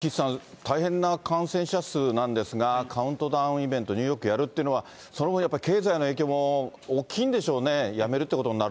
岸さん、大変な感染者数なんですが、カウントダウンイベント、ニューヨークやるっていうのは、その分、やっぱり経済の影響も大きいんでしょうね、やめるってことになる